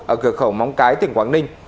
ở cửa khẩu móng cái tỉnh quảng ninh